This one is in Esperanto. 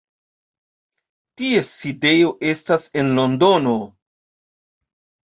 Ties sidejo estas en Londono.